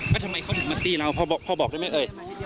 แล้วทำไมเขาถึงมาตีเราพ่อบอกได้ไหมเอ่ย